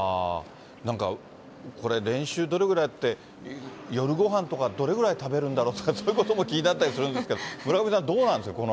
なんかこれ、練習どれぐらいやって、夜ごはんとかどれぐらい食べるんだろとか、そういうことも気になったりするんですけれども、村上さん、どうなんですか？